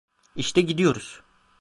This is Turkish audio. İşte gidiyoruz.